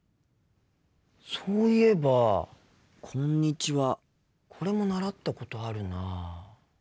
そういえば「こんにちは」これも習ったことあるな。